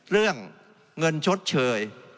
เรื่องเงินชดเชย